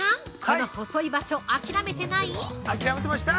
この細い場所、諦めてない？